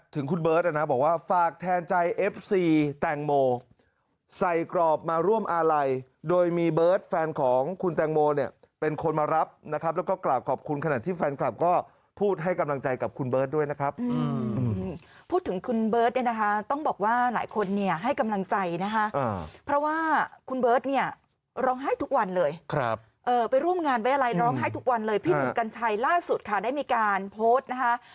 ถึงคุณเบิร์ตนะฮะบอกว่าฝากแทนใจแฟนคลับแฟนคลับแฟนคลับแฟนคลับแฟนคลับแฟนคลับแฟนคลับแฟนคลับแฟนคลับแฟนคลับแฟนคลับแฟนคลับแฟนคลับแฟนคลับแฟนคลับแฟนคลับแฟนคลับแฟนคลับแฟนคลับแฟนคลับแฟนคลับแฟนคลับแฟนคลับแฟนคลั